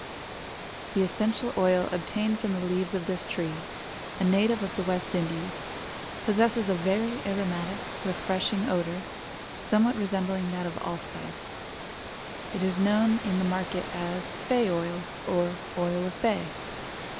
The essential oil obtained from the leaves of this tree, a native of the West Indies, possesses a very aromatic, refreshing odor somewhat resembling that of allspice. It is known in the market as bay oil or oil of bay.